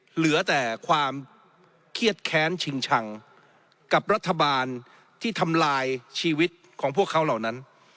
เหลือแต่ความเครียดแค้นชิงชังกับรัฐบาลที่ทำลายชีวิตของพวกเขาเหล่านั้น